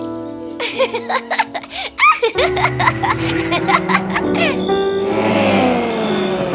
kau akan menyesalinya